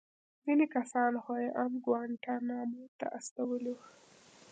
ځينې کسان خو يې ان گوانټانامو ته استولي وو.